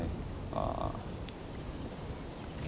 ああ。